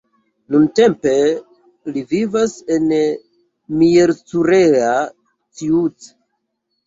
Nuntempe li vivas en Miercurea Ciuc.